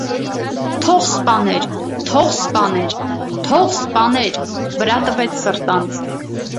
- Թո՛ղ սպաներ, թո՛ղ սպաներ, թո՛ղ սպաներ,- վրա տվեց սրտանց: